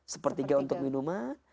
sepertiga untuk minuman